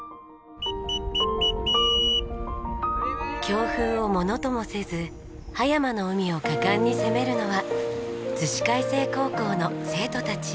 強風をものともせず葉山の海を果敢に攻めるのは子開成高校の生徒たち。